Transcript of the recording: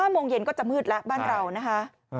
โมงเย็นก็จะมืดแล้วบ้านเรานะคะ